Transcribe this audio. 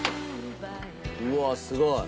うわすごい！